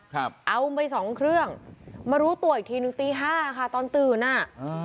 เอาไปสองเครื่องมารู้ตัวอีกทีหนึ่งตีห้าค่ะตอนตื่นอ่ะอ่า